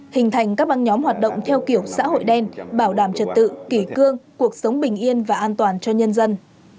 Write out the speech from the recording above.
hình thành các băng nhóm hoạt động theo kiểu xã hội đen bảo đảm trật tự kỷ cương cuộc sống bình yên và an toàn cho nhân dân